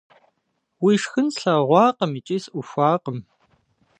Уи шхын слъэгъуакъым икӀи сӀухуакъым.